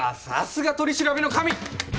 さすが取り調べの神！